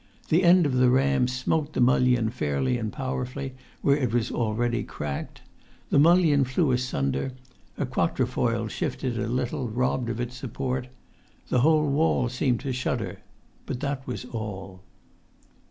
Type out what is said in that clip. The end of the ram smote the mullion fairly and powerfully, where it was already cracked. The mullion flew asunder; a quatrefoil shifted a little, robbed of its support. The whole wall seemed to shudder; but that was all.